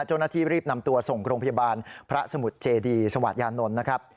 เจ้าหน้าที่รีบนำตัวส่งโรงพยาบาลพระสมุทรเจดีสวาสยานนท์นะครับ